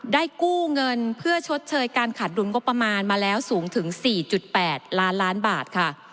กู้เงินเพื่อชดเชยการขาดดุลงบประมาณมาแล้วสูงถึง๔๘ล้านล้านบาทค่ะ